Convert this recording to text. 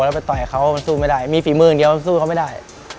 แล้วไปต่อยเขามันสู้ไม่ได้มีฝีมืออย่างเดียวมันสู้เขาไม่ได้